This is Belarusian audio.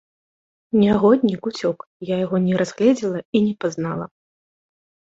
Нягоднік уцёк, я яго не разгледзела і не пазнала.